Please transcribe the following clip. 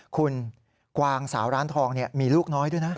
คุณกวางสาวร้านทองมีลูกน้อยด้วยนะ